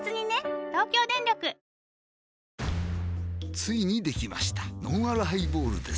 ついにできましたのんあるハイボールです